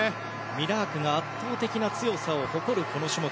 ミラークが圧倒的な強さを誇るこの種目。